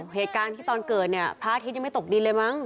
เหตุการณ์ที่ตอนเกิดเนี่ยพระอาทิตย์ยังไม่ตกดินเลยมั้ง